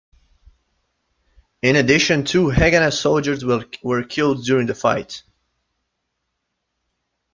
In addition two Haganah soldiers were killed during the fight.